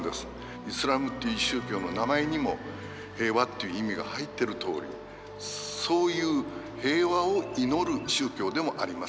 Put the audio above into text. イスラームっていう宗教の名前にも平和っていう意味が入ってるとおりそういう平和を祈る宗教でもあります。